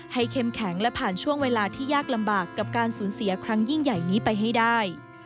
เข้มแข็งและผ่านช่วงเวลาที่ยากลำบากกับการสูญเสียครั้งยิ่งใหญ่นี้ไปให้ได้